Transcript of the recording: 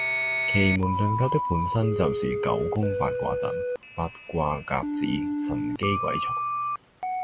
奇門遁甲的本身就是九宮八卦陣。“八卦甲子，神機鬼藏”